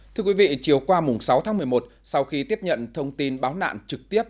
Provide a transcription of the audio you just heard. thưa quý vị chiều qua sáu tháng một mươi một sau khi tiếp nhận thông tin báo nạn trực tiếp